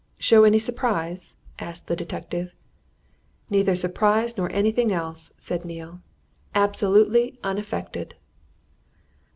"Show any surprise?" asked the detective. "Neither surprise nor anything else," said Neale. "Absolutely unaffected!"